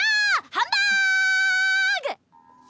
ハンバグ！